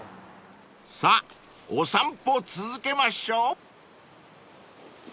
［さぁお散歩続けましょう］